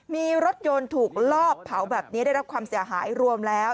มีรถยนต์ถูกลอบเผาแบบนี้ได้รับความเสียหายรวมแล้ว